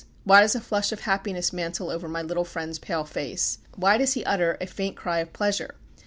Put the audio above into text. Why does a flush of happiness mantle over my little friend's pale face? Why does he utter a faint cry of pleasure?